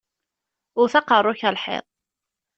Wwet aqeṛṛu-k ar lḥiḍ!